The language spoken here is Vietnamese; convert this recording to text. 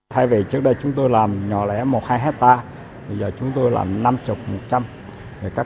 thay vì trước đây chúng tôi làm nhỏ lẻ một hai hectare bây giờ chúng tôi làm năm mươi một trăm các